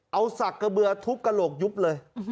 เอาสักกระเบือทุบกระโหลกยุบเลย